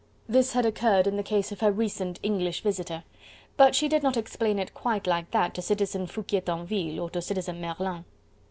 This had occurred in the case of her recent English visitor. But she did not explain it quite like that to Citizen Foucquier Tinville or to Citizen Merlin.